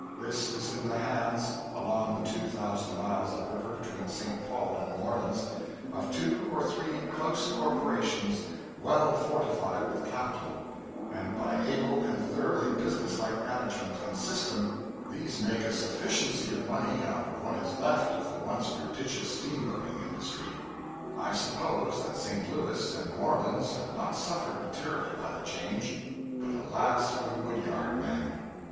This is in the hands along the two thousand miles of river between St. Paul and New Orleans of two or three close corporations well fortified with capital; and by able and thoroughly business like management and system, these make a sufficiency of money out of what is left of the once prodigious steamboating industry. I suppose that St. Louis and New Orleans have not suffered materially by the change, but alas for the wood yard man!